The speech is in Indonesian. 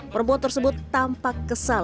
perempuan tersebut tampak kesal